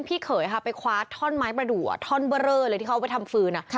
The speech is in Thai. เขยค่ะไปคว้าท่อนไม้ประดูกท่อนเบอร์เรอเลยที่เขาเอาไปทำฟืน